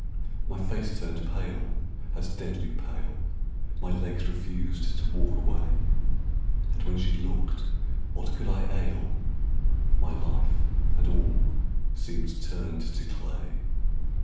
My face turned pale as deadly pale, My legs refused to walk away, And when she looked "what could I ail?" My life and all seemed turned to clay.